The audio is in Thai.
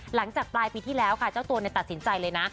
หลังจากปลายปีที่แล้วค่ะเจ้าตัวตัดสินใจเลยนะ